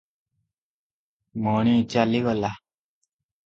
ମଣି ଚାଲିଗଲା ।